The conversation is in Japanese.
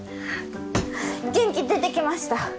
元気出てきました。